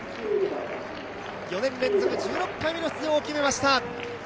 ４年連続１６回目の出場を決めました。